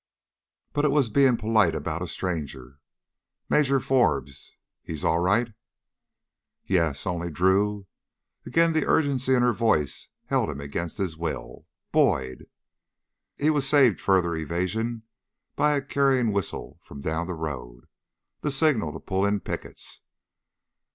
But it was being polite about a stranger. "Major Forbes ... he's all right?" "Yes. Only, Drew " Again the urgency in her voice held him against his will, "Boyd...." He was saved further evasion by a carrying whistle from down the road, the signal to pull in pickets.